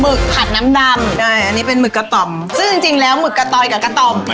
ผัดน้ำดำใช่อันนี้เป็นหมึกกะต่อมซึ่งจริงจริงแล้วหมึกกะตอยกับกะต่อม